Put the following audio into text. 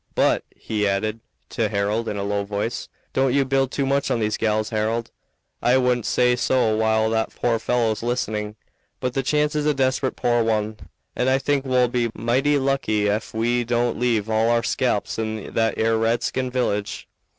But," he added to Harold in a low voice, "don't you build too much on these gals, Harold. I wouldn't say so while that poor fellow's listening, but the chance is a desperate poor one, and I think we'll be mighty lucky ef we don't leave all our scalps in that 'ere redskin village."